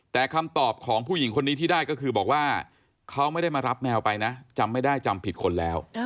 แต่คำตอบของผู้หญิงคนนี้ที่ได้ก็คือบอกว่าเขาไม่ได้มารับแมวไปนะจำไม่ได้จำผิดคนแล้ว